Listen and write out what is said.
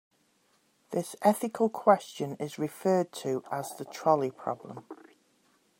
This ethical question is referred to as the trolley problem.